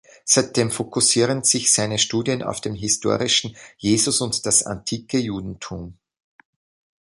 Seitdem fokussieren sich seine Studien auf den historischen Jesus und das antike Judentum.